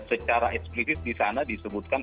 secara eksplisit di sana disebutkan